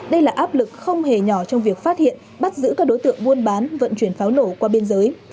đây là áp lực không hề nhỏ trong việc phát hiện bắt giữ các đối tượng buôn bán vận chuyển pháo nổ qua biên giới